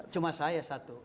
cuma saya satu